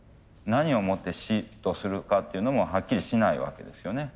何をもって死とするかっていうのもはっきりしないわけですよね。